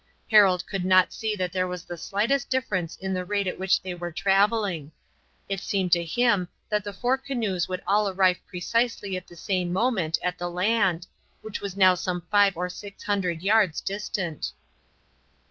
Harold could not see that there was the slightest difference in the rate at which they were traveling. It seemed to him that the four canoes would all arrive precisely at the same moment at the land, which was now some five or six hundred yards distant.